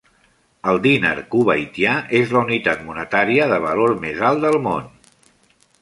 El dinar kuwaitià és la unitat monetària de valor més alt del món.